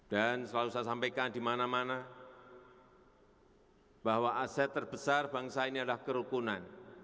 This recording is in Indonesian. dan selalu saya sampaikan di mana mana bahwa aset terbesar bangsa ini adalah kerukunan